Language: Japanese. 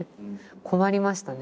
困りましたね。